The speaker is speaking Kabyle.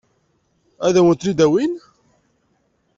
Ad wen-ten-id-awin?